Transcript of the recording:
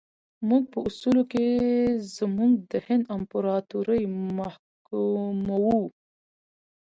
موږ په اصولو کې زموږ د هند امپراطوري محکوموو.